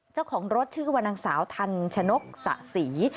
เจ้าของรถชื่อว่านางสาวทันชนกสะศรี